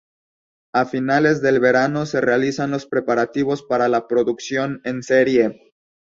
A finales del verano se realizan los preparativos para la producción en serie.